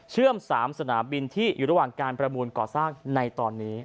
๓สนามบินที่อยู่ระหว่างการประมูลก่อสร้างในตอนนี้